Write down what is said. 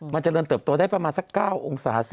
มันจะเริ่มเติบโตได้ประมาณสัก๙องศา